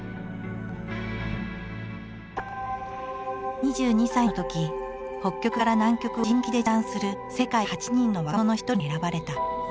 ２２歳のとき北極から南極を人力で縦断する世界８人の若者の１人に選ばれた。